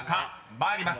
［参ります。